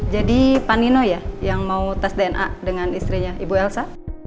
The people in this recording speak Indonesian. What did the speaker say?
jadi panino ya yang mau tes dna dengan istrinya ibu elsa